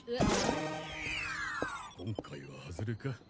今回はハズレか。